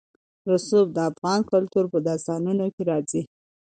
رسوب د افغان کلتور په داستانونو کې راځي.